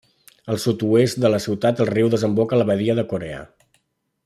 Al sud-oest de la ciutat el riu desemboca a la Badia de Corea.